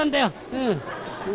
うん。